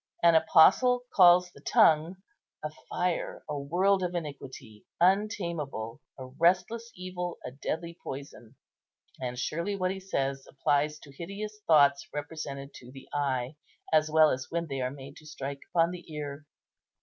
An Apostle calls the tongue "a fire, a world of iniquity, untameable, a restless evil, a deadly poison;" and surely what he says applies to hideous thoughts represented to the eye, as well as when they are made to strike upon the ear.